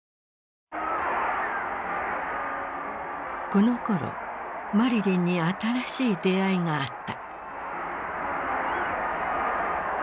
このころマリリンに新しい出会いがあった。